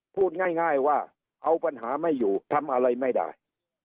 พูดง่ายว่าเอาปัญหาไม่อยู่ทำอะไรไม่ได้